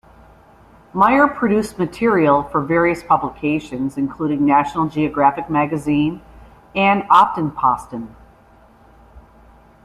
Meyer produced material for various publications including National Geographic Magazine and Aftenposten.